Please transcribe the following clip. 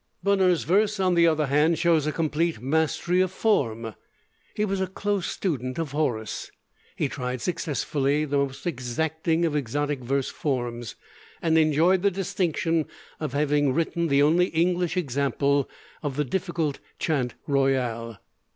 Bunner's verse, on the other hand, shows a complete mastery of form. He was a close student of Horace; he tried successfully the most exacting of exotic verse forms, and enjoyed the distinction of having written the only English example of the difficult Chant Royal.